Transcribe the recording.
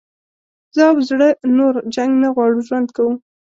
زه او زړه نور جنګ نه غواړو ژوند کوو.